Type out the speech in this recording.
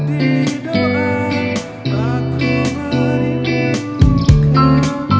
terima kasih ya